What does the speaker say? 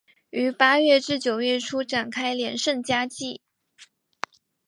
于八月至九月初展开连胜佳绩。